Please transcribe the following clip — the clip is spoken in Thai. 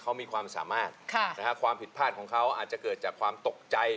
เขามีความสามารถความผิดพลาดของเขาอาจจะเกิดจากความตกใจ